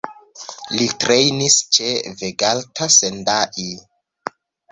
Li trejnis ĉe Vegalta Sendai.